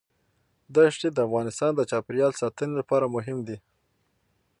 دښتې د افغانستان د چاپیریال ساتنې لپاره مهم دي.